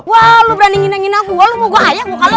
wah lu berani ngina ngina gua lu mau gua hayak muka lu ha